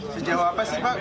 sejauh apa sih pak